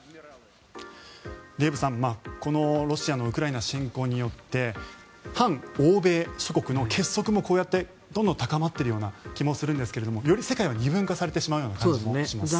デーブさん、このロシアのウクライナ侵攻によって反欧米諸国の結束もこうやってどんどん高まっているような気もするんですがより世界は二分化されてしまうような感じもします。